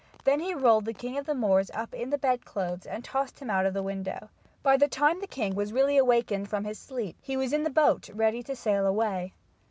Then he rolled the king of the Moors up in the bedclothes and tossed him out of the window. By the time the king was really awakened from his sleep he was in the boat ready to sail away.